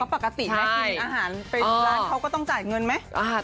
เอาก็ปกติให้กินอาหารเป็นร้านเขาก็ต้องจ่ายเงินไหม